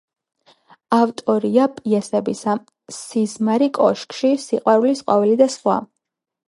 ავტორია პიესებისა: „სიზმარი კოშკში“, „სიყვარულის ყვავილი“ და სხვა.